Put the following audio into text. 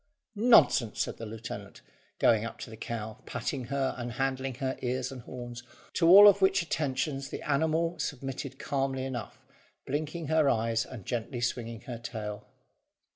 "Nonsense!" said the lieutenant, going up to the cow, patting her and handling her ears and horns; to all of which attentions the animal submitted calmly enough, blinking her eyes, and gently swinging her tail.